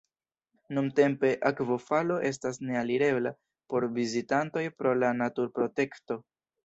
Nuntempe akvofalo estas ne alirebla por vizitantoj pro la naturprotekto.